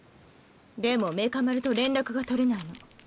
でもメカ丸と連絡が取れないの。